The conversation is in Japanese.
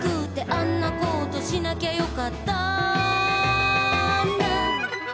「あんなことしなきゃよかったな」